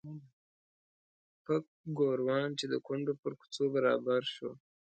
پک ګوروان چې د کونډو پر کوڅه برابر شو.